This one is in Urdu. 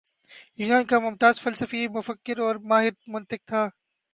یونان کا ممتاز فلسفی مفکر اور ماہر منطق تھا